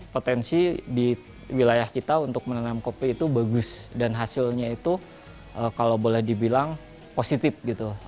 potensi di wilayah kita untuk menanam kopi itu bagus dan hasilnya itu kalau boleh dibilang positif gitu